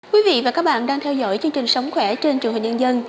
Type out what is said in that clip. quý vị và các bạn đang theo dõi chương trình sống khỏe trên trường hình nhân dân